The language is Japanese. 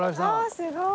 すごーい。